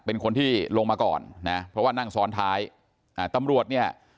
เป็นคนที่ลงมาก่อนนะเพราะว่านั่งซ้อนท้ายอ่าตำรวจเนี่ย